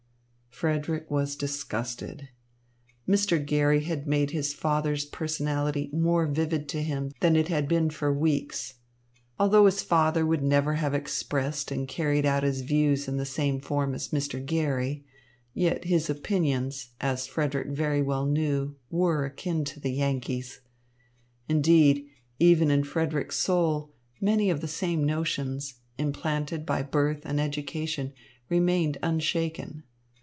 Frederick was disgusted. Mr. Garry had made his father's personality more vivid to him than it had been for weeks. Although his father would never have expressed and carried out his views in the same form as Mr. Garry, yet his opinions, as Frederick very well knew, were akin to the Yankee's. Indeed, even in Frederick's soul, many of the same notions, implanted by birth and education, remained unshaken.